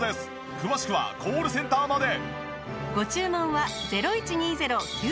詳しくはコールセンターまで。